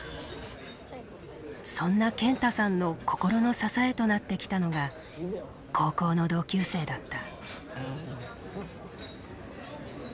そんなケンタさんの心の支えとなってきたのが高校の同級生だった。